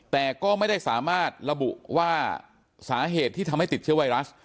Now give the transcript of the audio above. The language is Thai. แต่ก็ไม่ได้สามารถระบุว่าสาเหตุที่ทำให้ติดเชื้อไวรัส